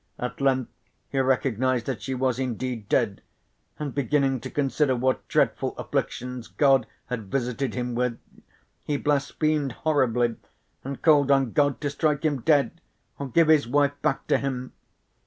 At length he recognised that she was indeed dead, and beginning to consider what dreadful afflictions God had visited him with, he blasphemed horribly and called on God to strike him dead, or give his wife back to him.